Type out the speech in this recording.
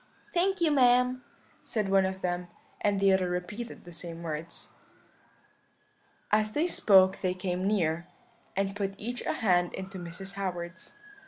"'Thank you, ma'am,' said one of them; and the other repeated the same words. "As they spoke they came near, and put each a hand into Mrs. Howard's.